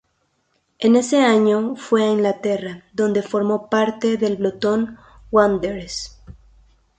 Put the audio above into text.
En ese año, se fue a Inglaterra, donde formó parte del Bolton Wanderers.